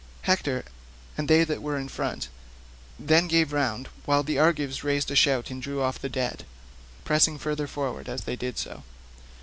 Hector, and they that were in front, then gave round while the Argives raised a shout and drew off the dead, pressing further forward as they did so.